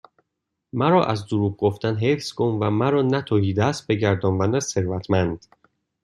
مرا از دروغ گفتن حفظ کن و مرا نه تهیدست بگردان و نه ثروتمند